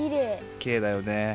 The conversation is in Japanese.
きれいだよね。